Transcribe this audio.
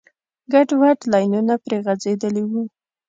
ګډوډ لاینونه پرې غځېدلي وو.